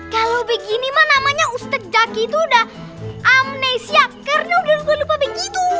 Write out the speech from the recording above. kalau begini mah namanya ustaz jaky itu udah amnesia karena udah lupa lupa begitu